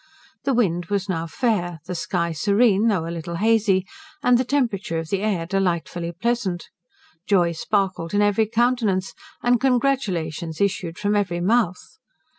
The wind was now fair, the sky serene, though a little hazy, and the temperature of the air delightfully pleasant: joy sparkled in every countenance, and congratulations issued from every mouth.